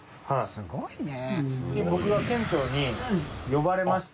すごいね。